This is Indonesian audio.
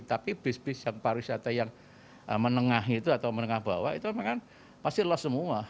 tapi bus bus yang pariwisata yang menengah itu atau menengah bawah itu memang kan pasti lost semua